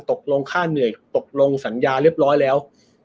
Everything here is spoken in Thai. ตกลงค่าเหนื่อยตกลงสัญญาเรียบร้อยแล้ว